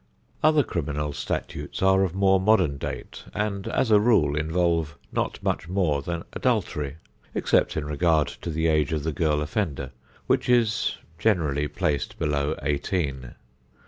Other criminal statutes are of more modern date, and as a rule involve not much more than adultery, except in regard to the age of the girl offender, which is generally placed below eighteen.